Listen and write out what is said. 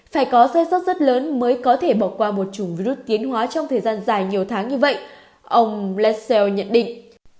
phải có xe sót rất lớn mới có thể bỏ qua một chủng virus tiến hóa trong thời gian dài nhiều tháng như vậy ông lessell nhận định